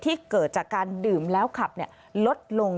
เกิดจากการดื่มแล้วขับลดลง